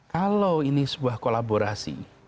kalau ini sebuah kolaborasi